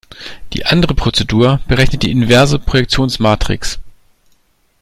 Die andere Prozedur berechnet die inverse Projektionsmatrix.